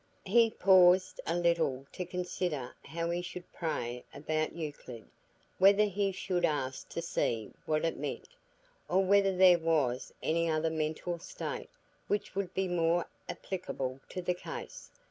He paused a little to consider how he should pray about Euclid—whether he should ask to see what it meant, or whether there was any other mental state which would be more applicable to the case.